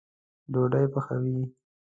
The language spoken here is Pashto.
ډوډۍ پخوئ